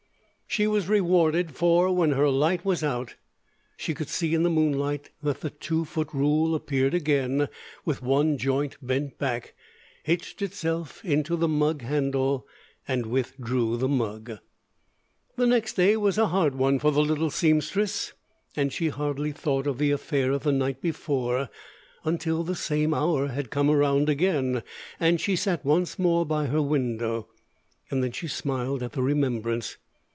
She was rewarded, for when her light was out, she could see in the moonlight that the two foot rule appeared again with one joint bent back, hitched itself into the mug handle, and withdrew the mug. The next day was a hard one for the little seamstress, and she hardly thought of the affair of the night before until the same hour had come around again, and she sat once more by her window. Then she smiled at the remembrance.